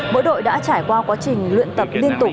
mỗi đội đã trải qua quá trình luyện tập liên tục